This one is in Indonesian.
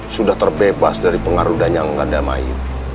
sudah terbebas dari pengaruh dan yang mengandam ayu